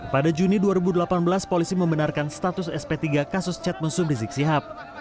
pada juni dua ribu delapan belas polisi membenarkan status sp tiga kasus chat musum rizik sihab